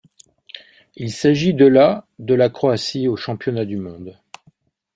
Il s'agit de la de la Croatie aux Championnats du monde.